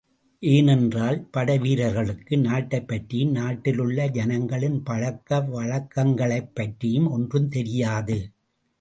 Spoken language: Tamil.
ஏனென்றால் படை வீரர்களுக்கு நாட்டைப் பற்றியும் நாட்டிலுள்ள ஜனங்களின் பழக்க வழக்கங்களைப் பற்றியும் ஒன்றும் தெரியாது.